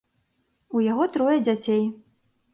У яго трое дзяцей.